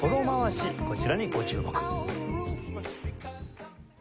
こちらにご注目。